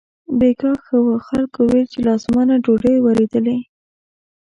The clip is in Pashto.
بېګاه ښه و، خلکو ویل چې له اسمانه ډوډۍ ورېدلې.